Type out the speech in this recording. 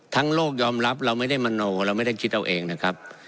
โลกยอมรับเราไม่ได้มโนเราไม่ได้คิดเอาเองนะครับ